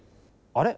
あれ？